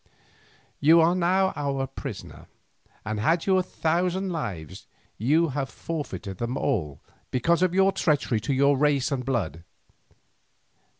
You are now our prisoner, and had you a thousand lives, you have forfeited them all because of your treachery to your race and blood.